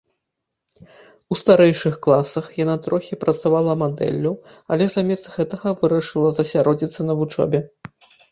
У старэйшых класах яна трохі працавала мадэллю, але замест гэтага вырашыла засяродзіцца на вучобе.